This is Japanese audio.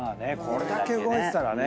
これだけ動いてたらね。